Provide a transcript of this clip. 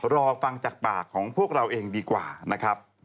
รอฟังจากปากของพวกเราเองดีกว่านะครับ